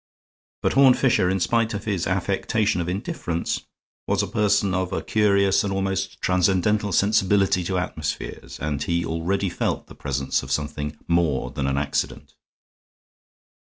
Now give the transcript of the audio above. But Horne Fisher, in spite of his affectation of indifference, was a person of a curious and almost transcendental sensibility to atmospheres, and he already felt the presence of something more than an accident.